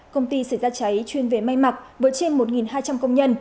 công ty xảy ra cháy chuyên về may mặc với trên một hai trăm linh công nhân